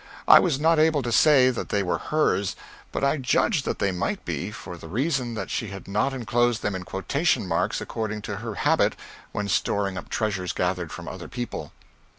I was not able to say that they were hers, but I judged that they might be, for the reason that she had not enclosed them in quotation marks according to her habit when storing up treasures gathered from other people.